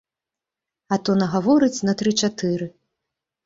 А то нагаворыць на тры-чатыры.